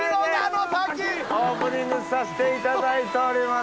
オープニングさせていただいております。